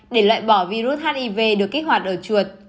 để loại bỏ virus hiv được kích hoạt ở chuột